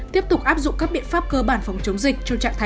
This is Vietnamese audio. tiếp tục áp dụng các biện pháp cơ bản phòng chống dịch